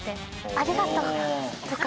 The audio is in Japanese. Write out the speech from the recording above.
「ありがとう！」とか。